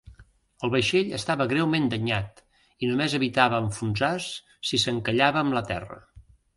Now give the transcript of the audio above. El vaixell estava greument danyat i només evitava enfonsar-se si s'encallava amb la terra.